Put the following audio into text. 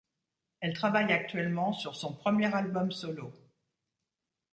Elle travaille actuellement sur son premier album solo.